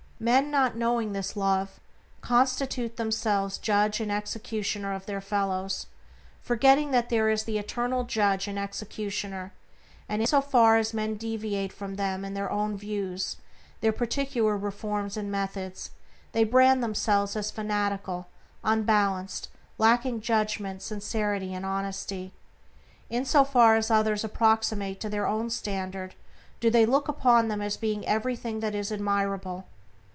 Men, not knowing this Love, constitute themselves judge and executioner of their fellows, forgetting that there is the Eternal Judge and Executioner, and in so far as men deviate from them in their own views, their particular reforms and methods, they brand them as fanatical, unbalanced, lacking judgment, sincerity, and honesty; in so far as others approximate to their own standard do they look upon them as being everything that is admirable.